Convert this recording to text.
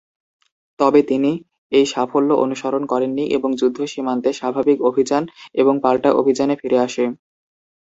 তবে তিনি এই সাফল্য অনুসরণ করেননি এবং যুদ্ধ সীমান্তে স্বাভাবিক অভিযান এবং পাল্টা অভিযানে ফিরে আসে।